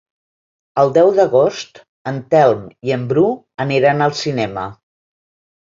El deu d'agost en Telm i en Bru aniran al cinema.